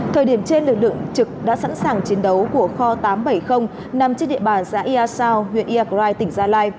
thời điểm trên lực lượng trực đã sẵn sàng chiến đấu của kho tám trăm bảy mươi nằm trên địa bàn giãi a sao huyện yagrai tỉnh gia lai